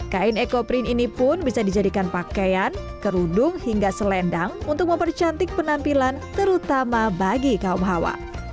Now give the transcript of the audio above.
kain ekoprin ini pun bisa dijadikan pakaian kerudung hingga selendang untuk mempercantik penampilan terutama bagi kaum hawa